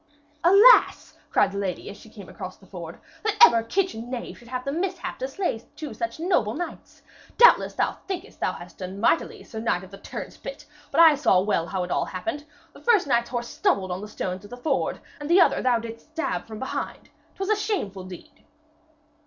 'Alas!' cried the lady, as she came across the ford, 'that ever kitchen knave should have the mishap to slay two such noble knights! Doubtless thou thinkest thou hast done mightily, sir knight of the turnspit, but I saw well how it all happened. The first knight's horse stumbled on the stones of the ford, and the other thou didst stab from behind. 'Twas a shameful deed!'